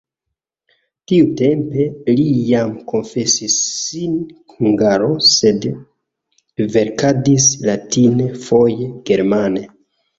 Tiutempe li jam konfesis sin hungaro, sed verkadis latine, foje germane.